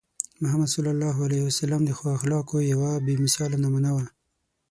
محمد صلى الله عليه وسلم د ښو اخلاقو یوه بې مثاله نمونه وو.